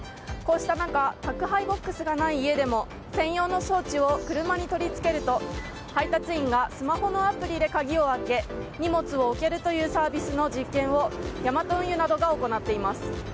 こうした中宅配ボックスがない家でも専用の装置を車に取り付けると配達員がスマホのアプリで鍵を開け、荷物を置けるというサービスの実験をヤマト運輸などが行っています。